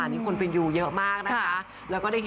ต้องใช้คำนี้ค่ะต้องใช้คำนี้ค่ะต้องใช้คำนี้ค่ะ